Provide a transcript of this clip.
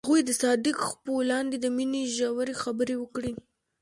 هغوی د صادق څپو لاندې د مینې ژورې خبرې وکړې.